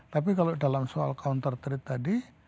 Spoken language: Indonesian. tapi kalau dalam soal counter trade tadi